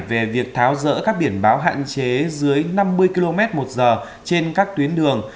về việc tháo rỡ các biển báo hạn chế dưới năm mươi km một giờ trên các tuyến đường